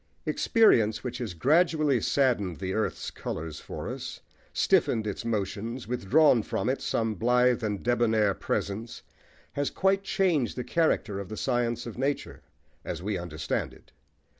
Experience, which has gradually saddened the earth's colours for us, stiffened its motions, withdrawn from it some blithe and debonair presence, has quite changed the character of the science of nature, as we understand it.